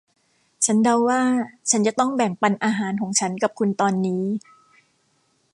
ฉันเดาว่าฉันจะต้องแบ่งปันอาหารของฉันกับคุณตอนนี้